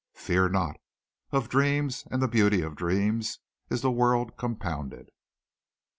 Fear not. Of dreams and the beauty of dreams is the world compounded."